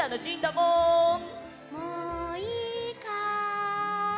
・もういいかい？